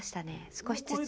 少しずつ。